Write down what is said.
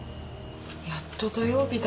やっと土曜日だ。